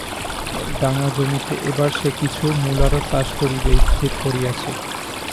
ডাঙা জমিতে এবার সে কিছু মূলারও চাষ করিবে স্থির করিয়াছে।